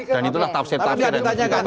dan itulah tafsir tafsirnya